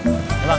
terima kasih bang